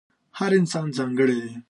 هر انسان ځانګړی دی.